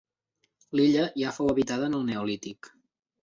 L'illa ja fou habitada en el neolític.